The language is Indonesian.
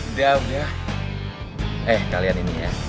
udah udah eh kalian ini ya